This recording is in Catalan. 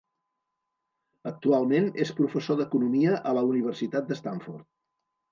Actualment és professor d'economia a la Universitat de Stanford.